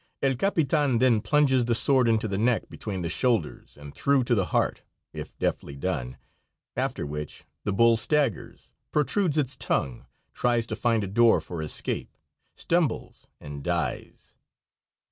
El capitan then plunges the sword into the neck between the shoulders and through to the heart, if deftly done, after which the bull staggers, protrudes its tongue, tries to find a door for escape, stumbles and dies.